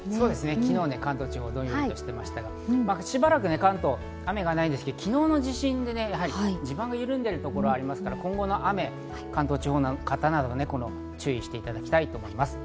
昨日は関東地方、どんよりとしてましたが、しばらく関東は雨がないんですが、昨日の地震で地盤が緩んでいるところがありますから今後の雨、関東地方の方など、注意していただきたいと思います。